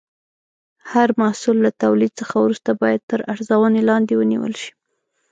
هر محصول له تولید څخه وروسته باید تر ارزونې لاندې ونیول شي.